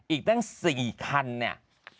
อีกตั้ง๔คันเนี่ย